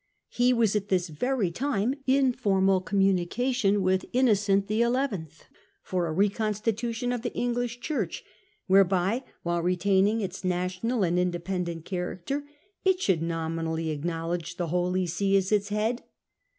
He was at this very time in formal communication with Innocent XI. for a reconstitution of the English Church, whereby, while retaining its national and independent character, it should nominally acknowledge the Holy See as its head.